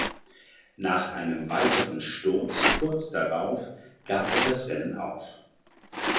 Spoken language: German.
Nach einem weiteren Sturz kurz darauf gab er das Rennen auf.